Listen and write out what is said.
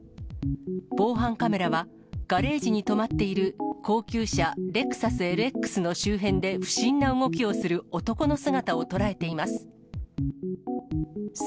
防犯カメラは、ガレージに止まっている高級車、レクサスＬＸの周辺で、不審な動きをする男の姿を捉えています。